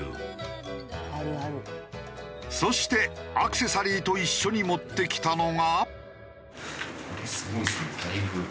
そしてアクセサリーと一緒に持ってきたのが。